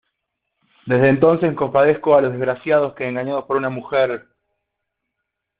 desde entonces compadezco a los desgraciados que engañados por una mujer